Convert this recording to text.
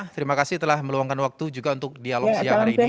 terima kasih telah meluangkan waktu juga untuk dialog siang hari ini